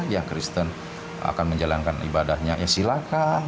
ya kristen akan menjalankan ibadahnya ya silakan